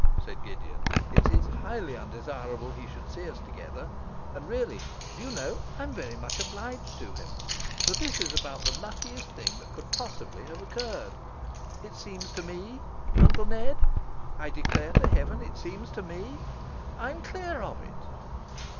said Gideon. 'It is highly undesirable he should see us together; and really, do you know, I am very much obliged to him, for this is about the luckiest thing that could have possibly occurred. It seems to me Uncle Ned, I declare to heaven it seems to me I'm clear of it!